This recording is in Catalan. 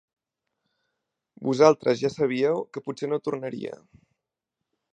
Vosaltres ja sabíeu que potser no tornaria.